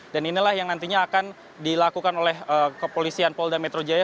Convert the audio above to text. dan inilah yang nantinya akan dilakukan oleh kepolisian polda metro jaya